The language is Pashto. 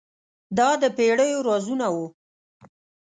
دا د پیړیو رازونه وو.